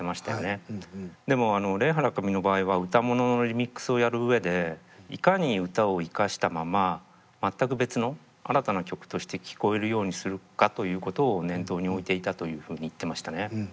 でもあのレイ・ハラカミの場合は歌物のリミックスをやる上でいかに歌を生かしたまま全く別の新たな曲として聞こえるようにするかということを念頭に置いていたというふうに言ってましたね。